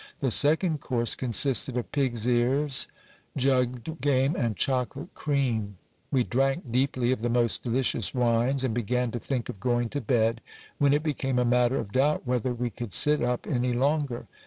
The second course consisted of pigs' ears, jugged game, and chocolate cream. We drank deeply of the most delicious wines, and began to think of going to bed, when it became a matter of doubt whether we could sit up any longer.